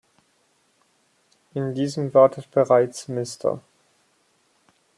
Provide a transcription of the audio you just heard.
In diesem wartet bereits Mr.